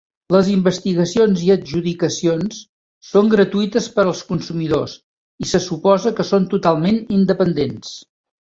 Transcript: Les investigacions i adjudicacions són gratuïtes per als consumidors i se suposa que són totalment independents.